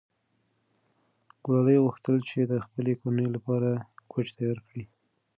ګلالۍ غوښتل چې د خپلې کورنۍ لپاره کوچ تیار کړي.